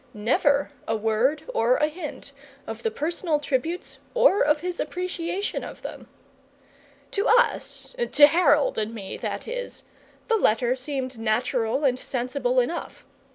Never a word or a hint of the personal tributes or of his appreciation of them. To us to Harold and me, that is the letter seemed natural and sensible enough.